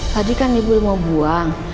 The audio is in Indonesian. tadi kan ibu mau buang